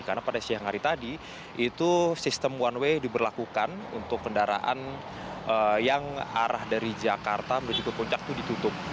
karena pada siang hari tadi itu sistem one way diberlakukan untuk kendaraan yang arah dari jakarta menuju ke puncak itu ditutup